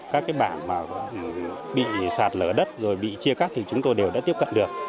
các bảng bị sạt lở đất rồi bị chia cắt thì chúng tôi đều đã tiếp cận được